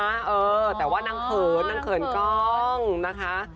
เออเพราะว่านางเคิญนางเคิญก้องนะคะ